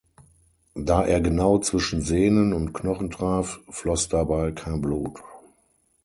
Da er genau zwischen Sehnen und Knochen traf, floss dabei kein Blut.